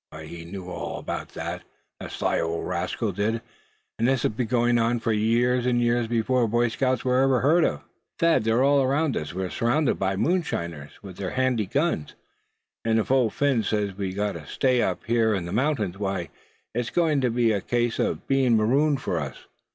He knew all about that, the sly old rascal did; and this has been going on for years and years before Boy Scouts were ever heard of." "Thad, they're all around us; we're surrounded by these moonshiners, with their handy guns; and if Old Phin says we've got to stay up here in the mountains, why, it's going to be a case of being marooned for us.